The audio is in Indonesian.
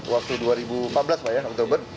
waktu dua ribu empat belas pak ya oktober